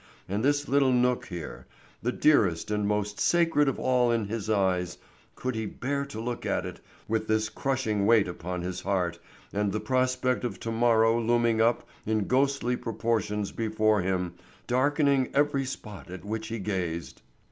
And this little nook here, the dearest and most sacred of all in his eyes—could he bear to look at it with this crushing weight upon his heart and the prospect of to morrow looming up in ghostly proportions before him, darkening every spot at which he gazed?